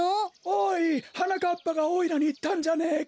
おいはなかっぱがおいらにいったんじゃねえか。